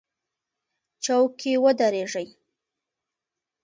چوک کې ودرېږئ